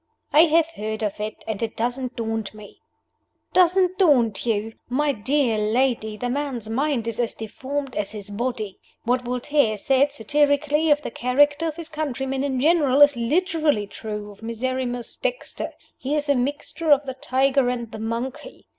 "I have heard of it and it doesn't daunt me." "Doesn't daunt you? My dear lady, the man's mind is as deformed as his body. What Voltaire said satirically of the character of his countrymen in general is literally true of Miserrimus Dexter. He is a mixture of the tiger and the monkey.